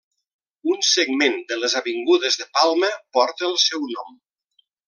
Un segment de les avingudes de Palma porta el seu nom.